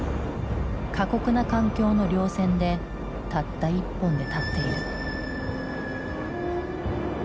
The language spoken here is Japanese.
過酷な環境の稜線でたった１本で立っている。